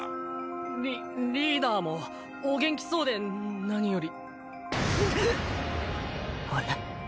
リリーダーもお元気そうで何より。